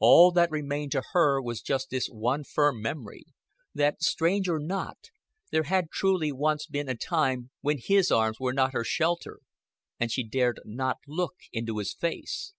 All that remained to her was just this one firm memory, that, strange or not, there had truly once been a time when his arms were not her shelter, and she dared not look into his face.